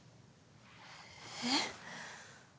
えっ？